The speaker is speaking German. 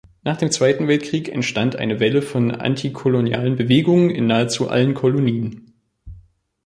Nach dem Zweiten Weltkrieg entstand eine Welle von antikolonialen Bewegungen in nahezu allen Kolonien.